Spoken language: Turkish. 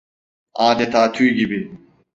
Adeta tüy gibi…